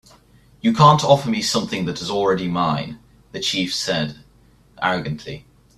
"You can't offer me something that is already mine," the chief said, arrogantly.